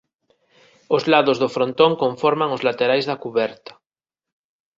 Os lados do frontón conforman os laterais da cuberta.